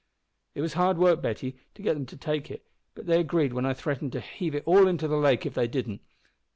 "It was hard work, Betty, to get them to take it, but they agreed when I threatened to heave it all into the lake if they didn't!